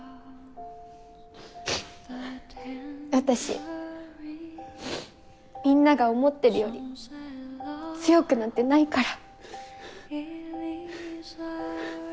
私みんなが思ってるより強くなんてないから。